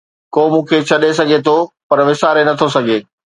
ڪو مون کي ڇڏي سگهي ٿو پر وساري نٿو سگهي